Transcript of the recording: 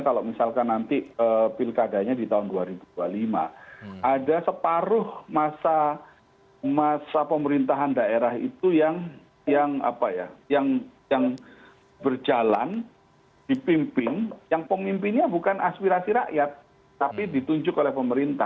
kalau misalkan nanti pilkadanya di tahun dua ribu dua puluh lima ada separuh masa pemerintahan daerah itu yang berjalan dipimpin yang pemimpinnya bukan aspirasi rakyat tapi ditunjuk oleh pemerintah